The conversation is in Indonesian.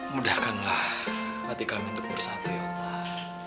mudahkanlah hati kami untuk bersatu ya allah